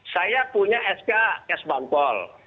saya punya sk ks bantol